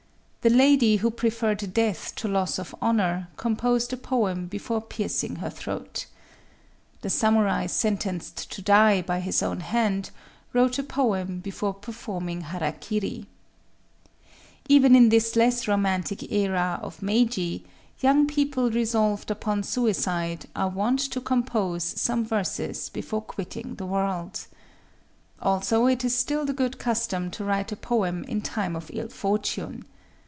The lady who preferred death to loss of honor, composed a poem before piercing her throat The samurai sentenced to die by his own hand, wrote a poem before performing hara kiri. Even in this less romantic era of Meiji, young people resolved upon suicide are wont to compose some verses before quitting the world. Also it is still the good custom to write a poem in time of ill fortune.